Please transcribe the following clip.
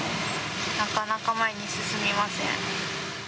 なかなか前に進みません。